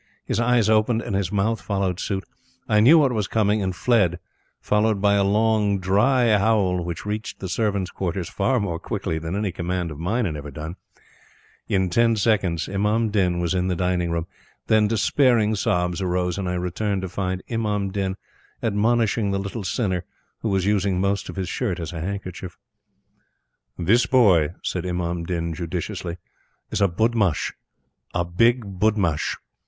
His eyes opened, and his mouth followed suit. I knew what was coming, and fled, followed by a long, dry howl which reached the servants' quarters far more quickly than any command of mine had ever done. In ten seconds Imam Din was in the dining room. Then despairing sobs arose, and I returned to find Imam Din admonishing the small sinner who was using most of his shirt as a handkerchief. "This boy," said Imam Din, judicially, "is a budmash, a big budmash.